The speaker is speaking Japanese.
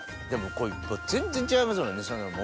でも全然違いますよね